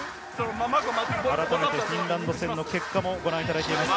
改めてフィンランド戦の結果もご覧いただいています。